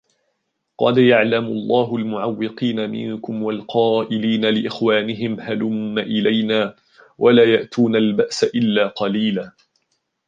قَدْ يَعْلَمُ اللَّهُ الْمُعَوِّقِينَ مِنْكُمْ وَالْقَائِلِينَ لِإِخْوَانِهِمْ هَلُمَّ إِلَيْنَا وَلَا يَأْتُونَ الْبَأْسَ إِلَّا قَلِيلًا